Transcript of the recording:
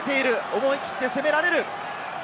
思い切って攻められる。